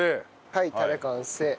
はいタレ完成。